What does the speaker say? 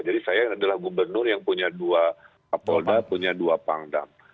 jadi saya adalah gubernur yang punya dua polda punya dua pangdam